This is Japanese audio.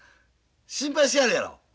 心配しやるやろ？